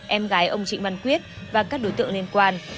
em gái ông trịnh văn quyết và các đối tượng liên quan